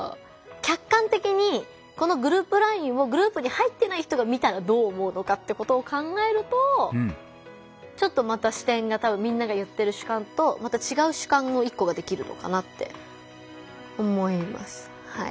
客観的にこのグループＬＩＮＥをグループに入ってない人が見たらどう思うのかってことを考えるとちょっとまた視点がみんなが言ってる主観とまた違う主観の一個ができるのかなって思います。